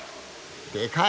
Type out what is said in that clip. でかい！